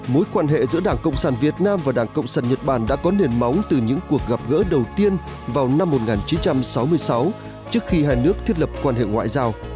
mối quan hệ giữa đảng cộng sản việt nam và đảng cộng sản nhật bản đã có nền móng từ những cuộc gặp gỡ đầu tiên vào năm một nghìn chín trăm sáu mươi sáu trước khi hai nước thiết lập quan hệ ngoại giao